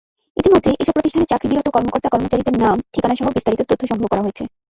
ইতিমধ্যে এসব প্রতিষ্ঠানে চাকরিরত কর্মকর্তা-কর্মচারীদের নাম, ঠিকানাসহ বিস্তারিত তথ্য সংগ্রহ করা হয়েছে।